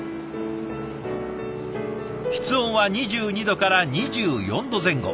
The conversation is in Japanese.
室温は２２度から２４度前後。